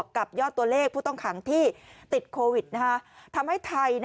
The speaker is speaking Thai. กับยอดตัวเลขผู้ต้องขังที่ติดโควิดทำให้ไทย